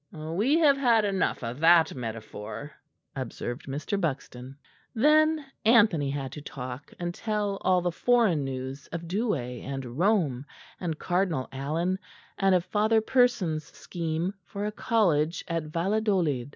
"We have had enough of that metaphor," observed Mr. Buxton. Then Anthony had to talk, and tell all the foreign news of Douai and Rome and Cardinal Allen; and of Father Persons' scheme for a college at Valladolid.